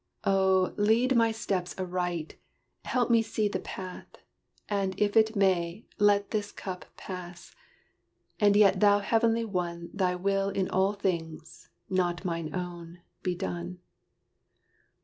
Oh, lead my steps aright! Help me see the path: and if it may, Let this cup pass: and yet Thou heavenly One Thy will in all things, not mine own, be done."